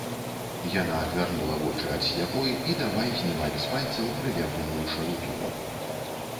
Яна адвярнула вочы ад сляпой і давай знімаць з пальцаў прылепленую шалупіну.